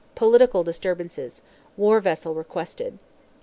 Political disturbances. War vessel requested.